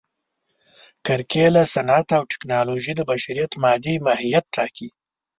کرکېله، صنعت او ټکنالوژي د بشریت مادي ماهیت ټاکي.